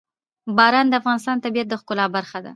باران د افغانستان د طبیعت د ښکلا برخه ده.